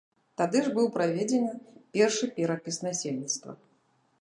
Тады ж быў праведзены першы перапіс насельніцтва.